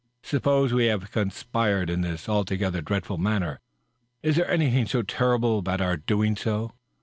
Suppose we have conspired in this alto gether dreadful matter. Is there anything so terrible about our doing so?